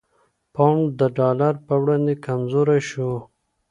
پونډ د ډالر په وړاندې کمزوری شو؛